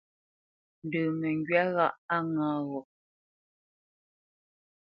Ndə məŋgywá ghâʼ a ŋǎ gho?